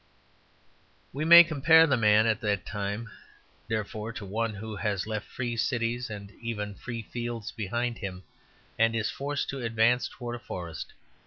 We may compare the man of that time, therefore, to one who has left free cities and even free fields behind him, and is forced to advance towards a forest.